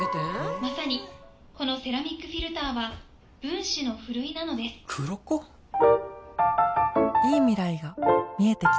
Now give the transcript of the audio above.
まさにこのセラミックフィルターは『分子のふるい』なのですクロコ？？いい未来が見えてきた